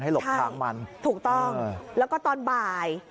หลบทางมันถูกต้องแล้วก็ตอนบ่าย